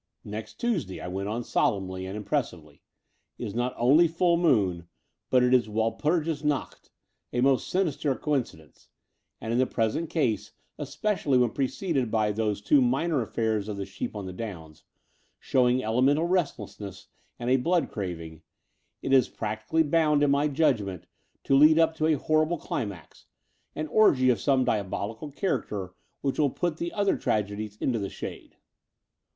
Between London and Clymplng 199 "Next Tuesday," I went on solemnly and im pressivdy, "is not only full moon, but it is Wal purgis Nacht, a most sinister coincidence; and in the present case, especially when preceded by these two minor affairs of the sheep on the downs, show ing elemental restlessness and a blood craving, it is practically boxmd, in my judgment, to lead up to a horrible climax, an orgy of some diabolical character which will put the other tragedies into the shade.